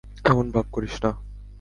এমন ভাব করিস না।